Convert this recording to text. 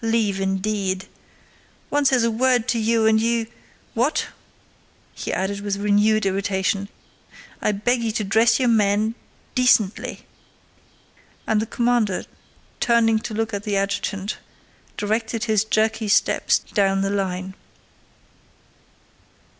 "Leave indeed.... One says a word to you and you... What?" he added with renewed irritation, "I beg you to dress your men decently." And the commander, turning to look at the adjutant, directed his jerky steps down the line.